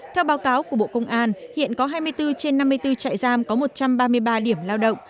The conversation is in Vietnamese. theo báo cáo của bộ công an hiện có hai mươi bốn trên năm mươi bốn trại giam có một trăm ba mươi ba điểm lao động